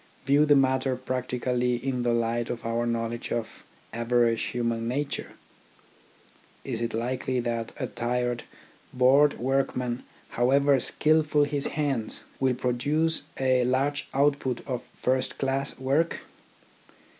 View the matter practically in the light of our knowledge of average human nature. Is it likely that a tired, bored workman, however skilful his hands, will produce a large output of first class work?